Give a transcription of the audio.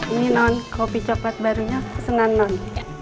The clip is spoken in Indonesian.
ini non kopi coklat barunya senan non